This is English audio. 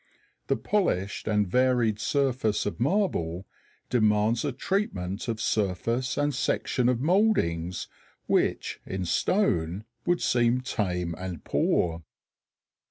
The polished and varied surface of marble demands a treatment of surface and section of mouldings which in stone would seem tame and poor.